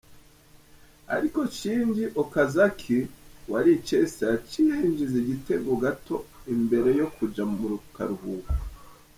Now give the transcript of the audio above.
Ariko Shinji Okazaki wa Leicester yaciye yinjjiza igitego gato imbere yo kuaj mu karuhuko.